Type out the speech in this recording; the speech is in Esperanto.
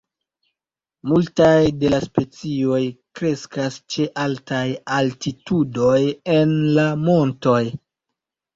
Multaj de la specioj kreskas ĉe altaj altitudoj en la montoj.